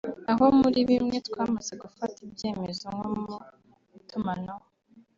aho muri bimwe twamaze gufata ibyemezo nko mu itumanaho